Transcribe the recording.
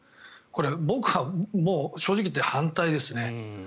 僕は正直に言って反対ですね。